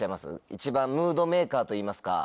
一番ムードメーカーといいますか。